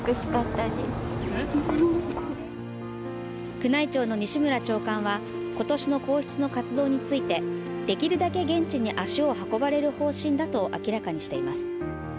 宮内庁の西村長官は今年の皇室の活動について、できるだけ現地に足を運ばれる方針だと明らかにしています。